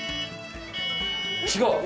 違う？